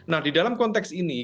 nah di dalam konteks ini